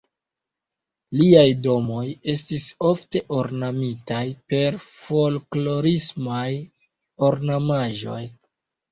Liaj domoj estis ofte ornamitaj per folklorismaj ornamaĵoj.